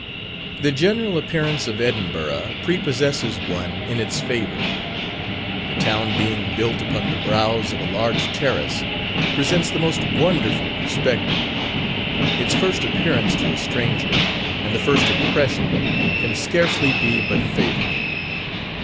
The general appearance of Edinburgh prepossesses one in its favour. The town being built upon the brows of a large terrace, presents the most wonderful perspective. Its first appearance to a stranger, and the first impression, can scarcely be but favourable.